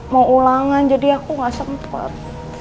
mau ulangan jadi aku gak sempet